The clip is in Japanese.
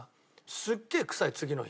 すっげえ臭い次の日。